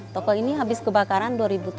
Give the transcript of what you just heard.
toko ini habis kebakaran dua ribu tujuh belas